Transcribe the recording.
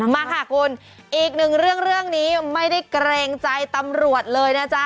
มาค่ะคุณอีกหนึ่งเรื่องเรื่องนี้ไม่ได้เกรงใจตำรวจเลยนะจ๊ะ